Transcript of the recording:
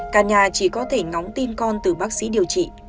cả nhà chỉ có thể ngóng tin con từ bác sĩ điều trị